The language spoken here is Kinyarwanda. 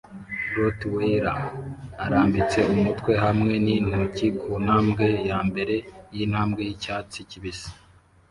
Rottweiller irambitse umutwe hamwe nintoki ku ntambwe yambere yintambwe yicyatsi kibisi